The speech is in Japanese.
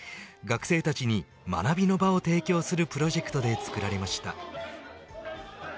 学生たちに学びの場を提供するプロジェクトで作られました。